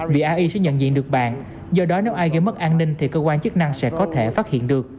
vì ai sẽ nhận diện được bạn do đó nếu ai gây mất an ninh thì cơ quan chức năng sẽ có thể phát hiện được